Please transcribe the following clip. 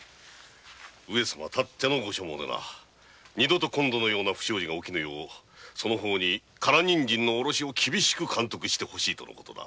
上様のご所望でな二度と今度のような事が起きぬようそなたに唐人参の卸しを厳しく監督してほしいとのことだ。